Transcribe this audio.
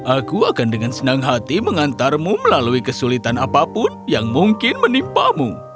aku akan dengan senang hati mengantarmu melalui kesulitan apapun yang mungkin menimpamu